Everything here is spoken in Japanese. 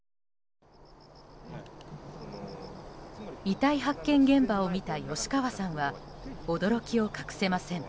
遺体発見現場を見た吉川さんは驚きを隠せません。